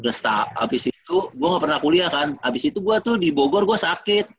habis itu gue gak pernah kuliah kan abis itu gue tuh di bogor gue sakit